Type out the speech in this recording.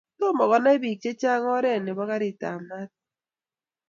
tomo konai biik chechang oret noto nebo karit ab maat